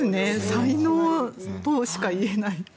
才能としか言えない。